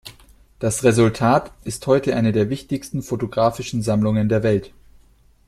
Das Resultat ist heute eine der wichtigsten fotografischen Sammlungen der Welt.